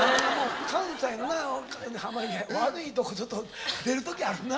関西のな濱家悪いとこずっと出る時あるな？